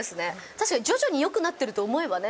確かに徐々によくなってると思えばね。